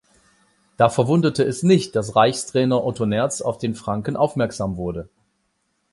Da verwunderte es nicht, dass Reichstrainer Otto Nerz auf den Franken aufmerksam wurde.